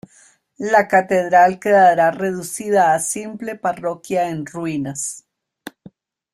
La catedral quedará reducida a simple parroquia en ruinas.